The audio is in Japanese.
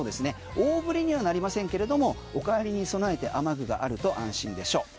大降りにはなりませんけれどもお帰りに備えて雨具があると安心でしょう。